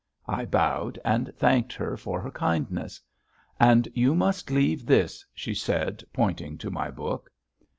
I bowed and thanked her for her kindness. "And you must leave this," she said, pointing to my book.